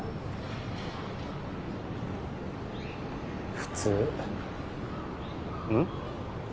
普通うん？